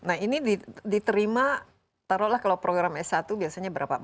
nah ini diterima taruhlah kalau program s satu biasanya berapa